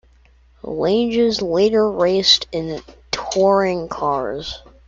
Langes later raced in touring cars.